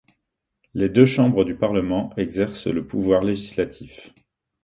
Les deux chambres du Parlement exercent le pouvoir législatif.